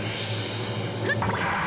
フッ！